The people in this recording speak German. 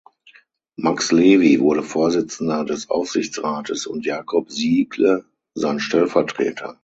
Max Levi wurde Vorsitzender des Aufsichtsrates und Jakob Sigle sein Stellvertreter.